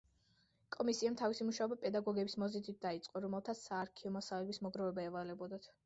კომისიამ თავისი მუშაობა პედაგოგების მოზიდვით დაიწყო, რომელთაც საარქივო მასალების მოგროვება ევალებოდათ.